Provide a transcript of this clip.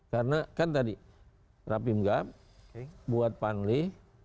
karena kan tadi rapim gap buat panli